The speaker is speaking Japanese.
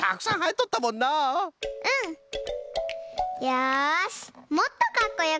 よしもっとかっこよくするぞ！